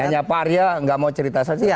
ya hanya pak arya gak mau cerita saja